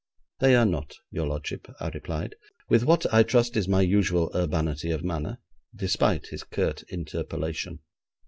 'They are not, your lordship,' I replied, with what, I trust, is my usual urbanity of manner, despite his curt interpolation.